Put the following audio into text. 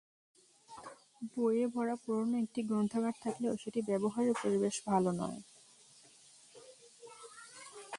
বইয়ে ভরা পুরোনো একটি গ্রন্থাগার থাকলেও সেটি ব্যবহারের পরিবেশ ভালো নয়।